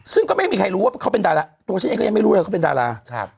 ซึ่งก็ไม่มีใครรู้ว่าเขาเป็นดาราตัวฉันเองก็ยังไม่รู้เลยเขาเป็นดารา